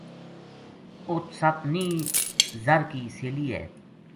اُت سپ نیہہ ذر کی سیلی دھری ہے